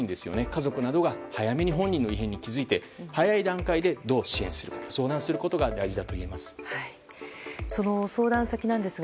家族などが早めに本人の異変に気付いて早い段階でどう支援する相談することが大事だといえます。